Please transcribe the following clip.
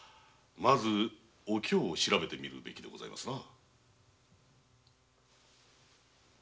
まずお京を調べてみるべきでございますな。